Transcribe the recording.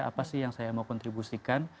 apa sih yang saya mau kontribusikan